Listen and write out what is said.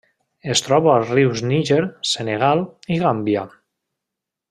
Es troba als rius Níger, Senegal i Gàmbia.